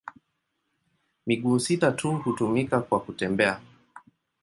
Miguu sita tu hutumika kwa kutembea.